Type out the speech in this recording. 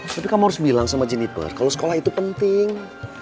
tapi kamu harus bilang sama jenniper kalau sekolah itu penting